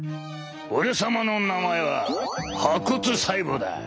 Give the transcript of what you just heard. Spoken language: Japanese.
「俺様の名前は破骨細胞だ！